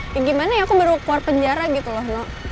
ya gimana ya aku baru keluar penjara gitu loh